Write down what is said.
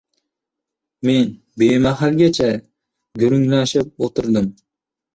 Men bemahalgacha gurunglashib o‘tirdim.